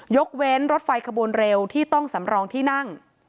ยกเว้นรถไฟขบวนเร็วที่ต้องสำรองที่นั่ง